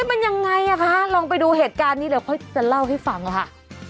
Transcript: เอ้ยมันยังไงอะคะลองไปดูเหตุการณ์นี้เดี๋ยวแล้วพูดไพ้เล่าให้ฟังอะฮะ